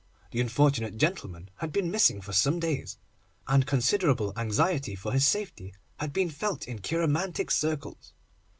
The unfortunate gentleman had been missing for some days, and considerable anxiety for his safety had been felt in cheiromantic circles.